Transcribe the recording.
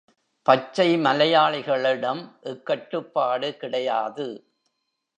பச்சை மலையாளிகளிடம் இக் கட்டுப்பாடு கிடையாது.